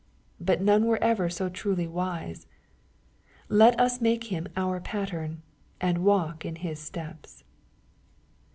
But none were ever so truly wise. Let us make Him our pattern, and walk in His steps.